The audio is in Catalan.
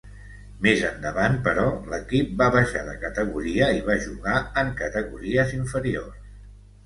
Més endavant, però, l'equip va baixar de categoria i va jugar en categories inferiors.